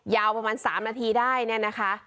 ยาวประมาณ๓นาทีได้เนี่ยนะคะ